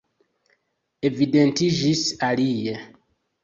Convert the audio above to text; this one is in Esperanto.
Evidentiĝis alie.